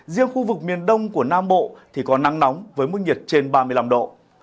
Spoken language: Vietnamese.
riêng khu vực miền đông của nam bộ thì có nắng nóng với mức nhiệt trên ba mươi năm độ